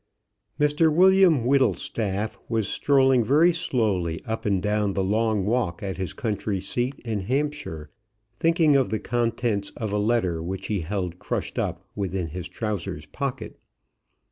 Mr William Whittlestaff was strolling very slowly up and down the long walk at his country seat in Hampshire, thinking of the contents of a letter which he held crushed up within his trousers' pocket.